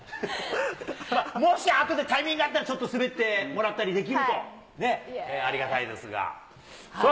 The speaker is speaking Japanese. もしあとでタイミングあったら、ちょっと滑ってもらったりできるとありがたいですが。